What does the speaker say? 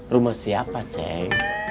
rumah siapa ceng